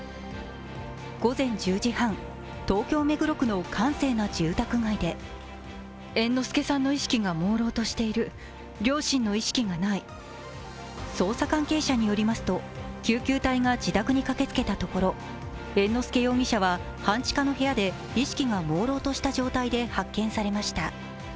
午前１０時半、東京・目黒区の閑静な住宅街で捜査関係者によりますと、救急隊が自宅に駆けつけたところ猿之助容疑者は半地下の部屋で意識がもうろうとした状態で発見されました。